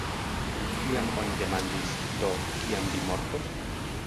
Kiam oni demandis, "Do, kiam vi mortos?